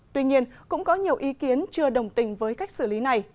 tuy nhiên cũng có nhiều ý kiến chưa đồng tình với cách xử lý này